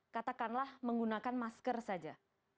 katakanlah menggunakan masker saja